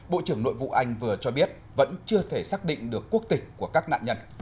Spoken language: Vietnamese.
bộ trưởng nội vụ anh vừa cho biết vẫn chưa thể xác định được quốc tịch của các nạn nhân